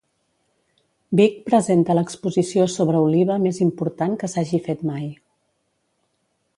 Vic presenta l'exposició sobre Oliba més important que s'hagi fet mai.